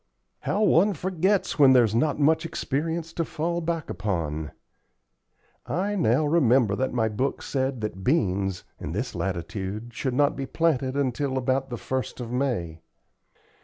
"How one forgets when there's not much experience to fall back upon! I now remember that my book said that beans, in this latitude, should not be planted until about the 1st of May."